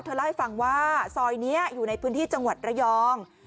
เล่าให้ฟังว่าซอยนี้อยู่ในพื้นที่จังหวัดระยอง